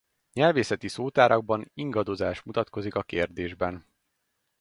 Nyelvészeti szótárakban ingadozás mutatkozik a kérdésben.